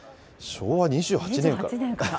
昭和２８年から。